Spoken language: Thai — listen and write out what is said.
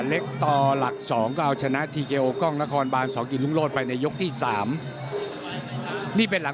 ครับครับครับครับครับครับครับครับครับครับครับครับครับครับครับครับ